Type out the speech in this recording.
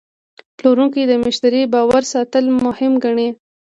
پلورونکی د مشتری باور ساتل مهم ګڼي.